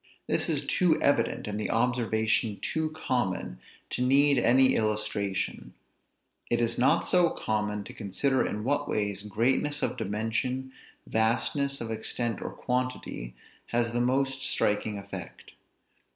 This is too evident, and the observation too common, to need any illustration; it is not so common to consider in what ways greatness of dimension, vastness of extent or quantity, has the most striking effect.